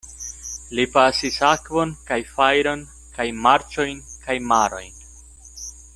Li pasis akvon kaj fajron kaj marĉojn kaj marojn.